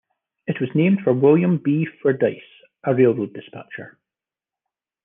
It was named for William B. Fordyce, a railroad dispatcher.